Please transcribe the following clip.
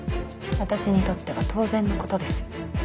私にとっては当然の事です。